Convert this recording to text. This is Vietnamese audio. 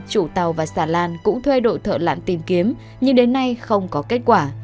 chủ tàu và xà lan cũng thuê đội thợ lặn tìm kiếm nhưng đến nay không có kết quả